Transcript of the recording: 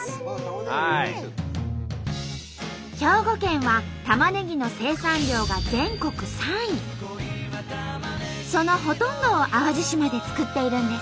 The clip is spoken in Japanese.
兵庫県はたまねぎのそのほとんどを淡路島で作っているんです。